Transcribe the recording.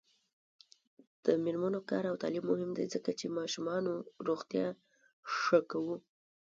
د میرمنو کار او تعلیم مهم دی ځکه چې ماشومانو روغتیا ښه کو.